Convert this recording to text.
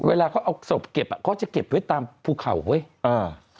เวลาเขาเอาศพเก็บอ่ะเขาจะเก็บไว้ตามภูเขาเว้ยอ่า